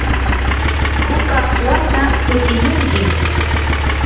hukaq wata kutimunkim.